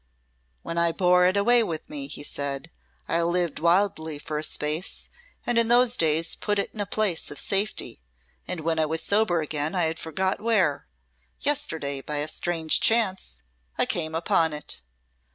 "When I bore it away with me," he said, "I lived wildly for a space, and in those days put it in a place of safety, and when I was sober again I had forgot where. Yesterday, by a strange chance, I came upon it.